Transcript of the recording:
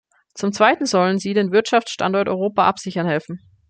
Zum zweiten sollen sie den Wirtschaftsstandort Europa absichern helfen.